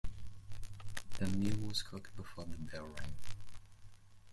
The meal was cooked before the bell rang.